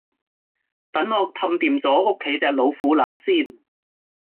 等我氹掂左屋企隻老虎乸先